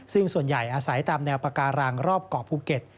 ซึ่งส่วนใหญ่อาศัยตามแนวปาการังรอบเกาะภูเก็ต